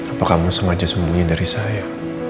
apa kamu sengaja sembunyi dari saya